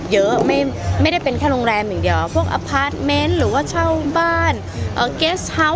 เยอะไม่ไม่ได้เป็นแค่โรงแรมอย่างเดียวพวกหรือว่าเช่าบ้านอะไรอย่าง